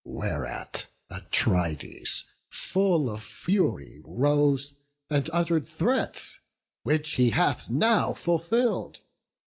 Whereat Atrides, full of fury, rose, And utter'd threats, which he hath now fulfill'd.